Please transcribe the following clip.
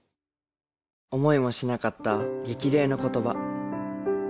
思いもしなかった激励の言葉